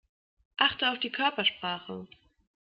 Achte auf die Körpersprache.